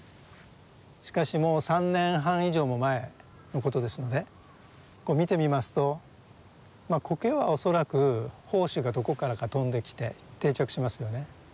しかしもう３年半以上も前のことですので見てみますとまあコケは恐らく胞子がどこからか飛んできて定着しますよね。